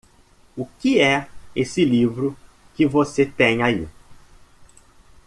O que é esse livro que você tem aí?